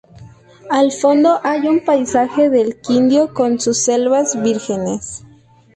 Al fondo hay un paisaje del Quindío con sus selvas vírgenes.